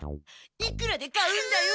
いくらで買うんだよ！